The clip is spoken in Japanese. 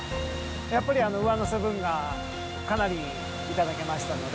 やっぱり上乗せ分がかなり頂けましたので。